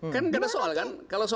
kan nggak ada soal kan